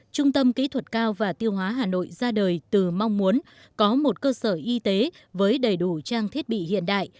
trung tâm kỹ thuật cao và tiêu hóa hà nội ra đời từ mong muốn có một cơ sở y tế với đầy đủ trang thiết bị hiện đại